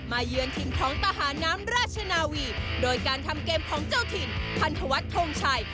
เยือนถิ่นของทหารน้ำราชนาวีโดยการทำเกมของเจ้าถิ่นพันธวัฒนทงชัย